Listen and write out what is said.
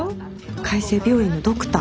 海生病院のドクター。